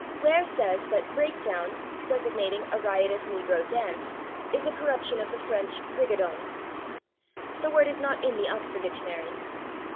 Ware says that /breakdown/, designating a riotous negro dance, is a corruption of the French /rigadon/. The word is not in the Oxford Dictionary.